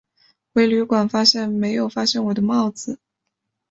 回旅馆没有发现我的帽子